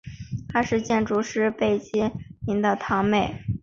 她是建筑师贝聿铭的堂妹。